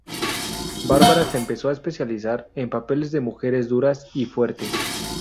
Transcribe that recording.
Barbara se empezó a especializar en papeles de mujeres duras y fuertes.